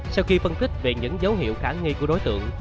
sau khi phân tích về những dấu hiệu khả nghi của đối tượng